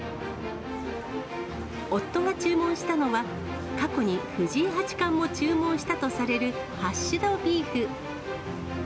夫が注文したのは、過去に藤井八冠も注文したとされるハッシュドビーフ。